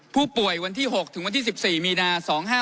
ผู้ป่วยวันที่๖ถึงวันที่๑๔มีนา๒๕๖๓